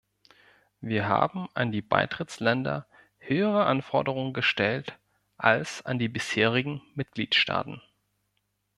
Wir haben an die Beitrittsländer höhere Anforderungen gestellt als an die bisherigen Mitgliedstaaten.